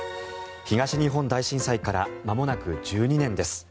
東日本大震災からまもなく１２年です。